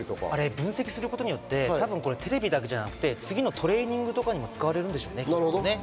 分析することでテレビだけじゃなく次のトレーニングにも使われるんでしょうね。